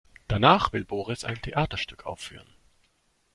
Danach will Boris ein Theaterstück aufführen.